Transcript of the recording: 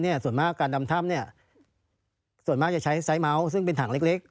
ส่วนมากการดำถ้ำเนี่ยส่วนมากจะใช้ไซสเมาส์ซึ่งเป็นถังเล็ก